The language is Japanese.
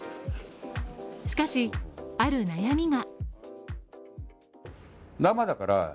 しかしある悩みが。